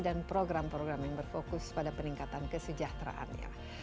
dan program program yang berfokus pada peningkatan kesejahteraannya